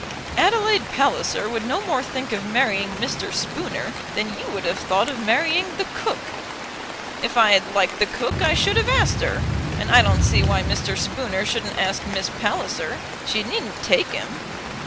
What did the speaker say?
"Adelaide Palliser would no more think of marrying Mr. Spooner than you would have thought of marrying the cook." "If I had liked the cook I should have asked her, and I don't see why Mr. Spooner shouldn't ask Miss Palliser. She needn't take him."